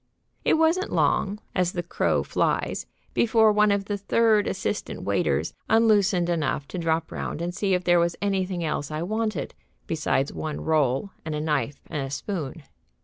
It wasn't long, as the crow flies, before one of the third assistant waiters unloosened enough to drop round and see if there was anything else I wanted besides one roll and a knife and spoon.